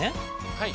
はい。